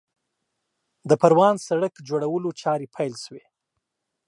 د پروان سړک جوړولو چارې پیل شوې